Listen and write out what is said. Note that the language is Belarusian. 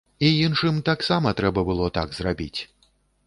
І іншым таксама трэба было так зрабіць!